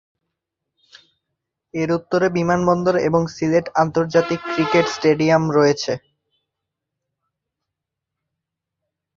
এর উত্তরে বিমানবন্দর এবং সিলেট আন্তর্জাতিক ক্রিকেট স্টেডিয়াম রয়েছে।